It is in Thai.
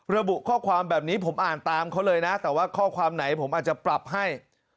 ระบุข้อความแบบนี้ผมอ่านตามเขาเลยนะแต่ว่าข้อความไหนผมอาจจะปรับให้